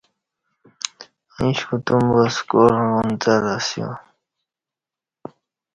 ایش کوتوم با سکال اونڅلہ اسیا